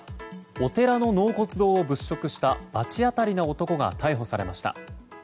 お寺の納骨堂を物色した罰当たりな男が逮捕されました。